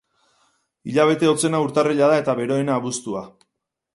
Hilabete hotzena urtarrila da eta beroena abuztua.